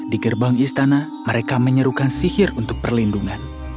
di gerbang istana mereka menyerukan sihir untuk perlindungan